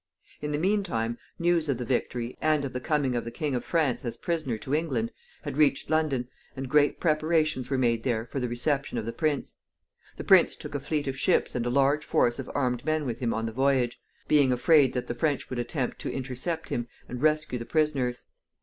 In the mean time, news of the victory, and of the coming of the King of France as prisoner to England, had reached London, and great preparations were made there for the reception of the prince. The prince took a fleet of ships and a large force of armed men with him on the voyage, being afraid that the French would attempt to intercept him and rescue the prisoners.